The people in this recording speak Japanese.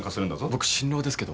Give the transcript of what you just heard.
僕新郎ですけど。